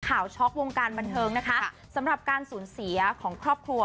ช็อกวงการบันเทิงนะคะสำหรับการสูญเสียของครอบครัว